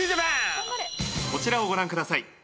「こちらをご覧ください」